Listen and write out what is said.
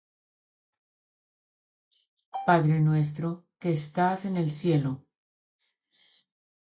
Padre nuestro, que estás en el cielo,